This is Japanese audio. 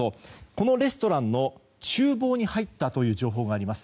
このレストランの厨房に入ったという情報があります。